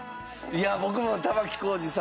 いや僕も玉置浩二さん。